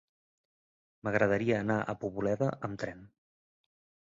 M'agradaria anar a Poboleda amb tren.